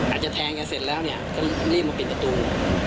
อาจจะแทนเยอะเสร็จแล้วเนี่ยก็รีบมาปิดตระตู